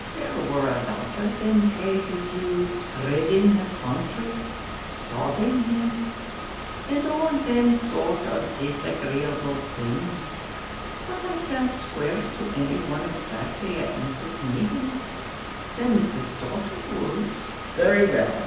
"There war a lot of thim phrases used ridding the counthry sodding him and all thim sort of disagreeable sayings; but I can't swear to any one exactly at Mrs. Mehan's thim's the sort of words." "Very well.